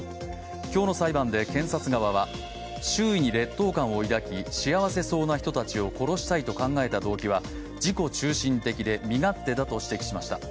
今日の裁判で検察側は周囲に劣等感を抱き幸せそうな人たちを殺したいと考えた動機は自己中心的で身勝手だと指摘しました。